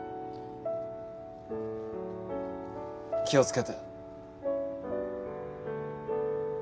気を付けて。